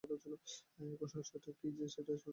এই কুসংস্কারটা যে কী ও সেটা স্পষ্ট করে বলল না।